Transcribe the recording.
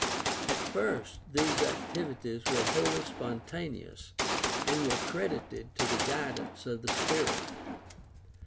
At first these activities were wholly spontaneous and were credited to the guidance of the Spirit.